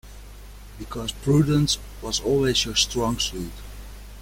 Because prudence was always your strong suit.